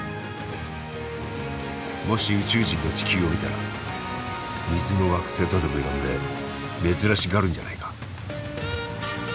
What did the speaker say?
もし宇宙人が地球を見たら「水の惑星」とでも呼んで珍しがるんじゃないか？